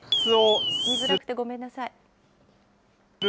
見づらくてごめんなさい。